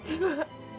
ibu nggak tahu